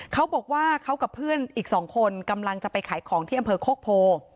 เขาบอกว่าเขากับเพื่อนอีก๒คนกำลังจะไปขายของที่อำเภอโคกโพ